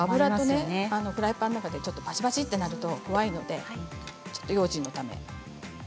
フライパンの中で調味料と油がバチバチっとなると危ないので、用心のために。